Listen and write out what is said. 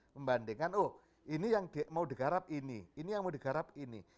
membandingkan oh ini yang mau digarap ini ini yang mau digarap ini